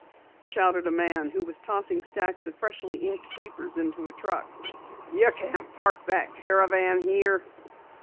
shouted a man who was tossing stacks of freshly inked papers into a truck. "You can't park that caravan in here!"